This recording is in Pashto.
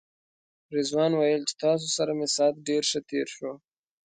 رضوان ویل چې تاسو سره مې ساعت ډېر ښه تېر شو.